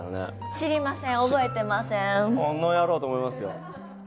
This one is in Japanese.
知りません覚えてませんこの野郎！と思いますよ